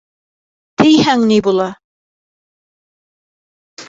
Тейһәң ни була?